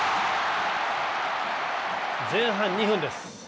前半２分です。